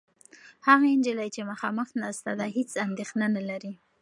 هغه نجلۍ چې مخامخ ناسته ده، هېڅ اندېښنه نهلري.